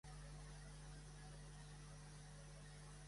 Doggie Daddy se sol representar amb només un collaret.